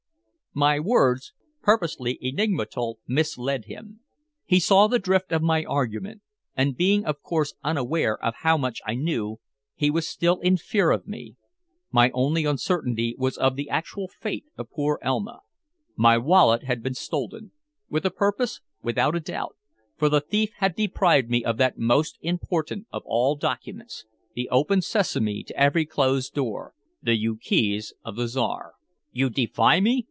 My words, purposely enigmatical, misled him. He saw the drift of my argument, and being of course unaware of how much I knew, he was still in fear of me. My only uncertainty was of the actual fate of poor Elma. My wallet had been stolen with a purpose, without a doubt for the thief had deprived me of that most important of all documents, the open sesame to every closed door, the ukase of the Czar. "You defy me!"